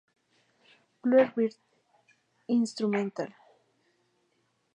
Bluebird: Instrumental